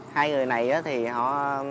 hai người này thì họ